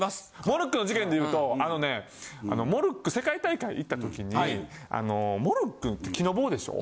モルックの事件で言うとあのねモルック世界大会行った時にモルックって木の棒でしょ。